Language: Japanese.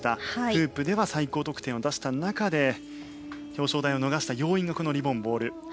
フープでは最高得点を出した中で表彰台を逃した要因のリボン・ボール。